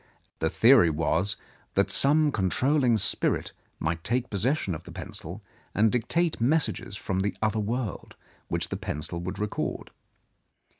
The theory was that some con trolling spirit might take possession of the pencil and dictate messages from the other world, which the pencil would record.